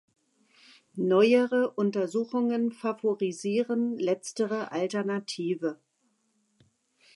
Neuere Untersuchungen favorisieren letztere Alternative.